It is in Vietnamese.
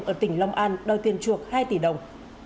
ở tỉnh long an đòi tiền chuộc hai tỷ đồng